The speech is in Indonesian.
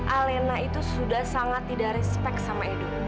alena itu sudah sangat tidak respect sama edo